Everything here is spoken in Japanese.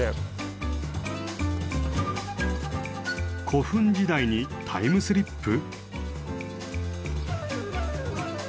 古墳時代にタイムスリップ！？